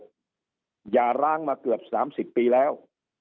อย่าร้างมาเกือบ๓๐ปีแล้ว